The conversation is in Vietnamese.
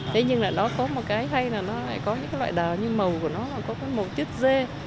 thế nhưng là nó có một cái hay là nó lại có những loại đào như màu của nó là có cái màu tiết dê